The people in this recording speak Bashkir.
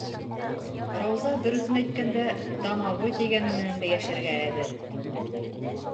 Рауза, дөрөҫөн әйткәндә, домовой тигәне менән дә йәшәргә әҙер.